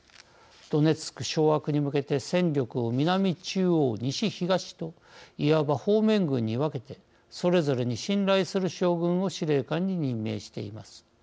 ドネツク掌握に向けて戦力を南、中央、西、東といわば方面軍に分けてそれぞれに信頼する将軍を司令官に任命しています。